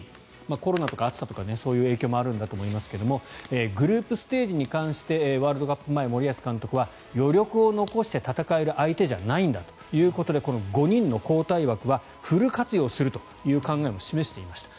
コロナとか暑さとかそういう影響もあるんだと思いますがグループステージに関してワールドカップ前、森保監督は余力を残して戦える相手じゃないんだということでこの５人の交代枠はフル活用するという考えも示していました。